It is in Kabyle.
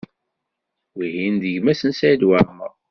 Wihin d gma-s n Saɛid Waɛmaṛ.